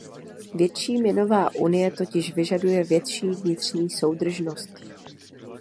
Větší měnová unie totiž vyžaduje větší vnitřní soudržnost.